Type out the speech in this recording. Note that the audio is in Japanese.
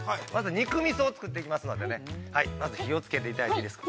まず肉味噌を作っていきますので、火をつけていただいていいですか。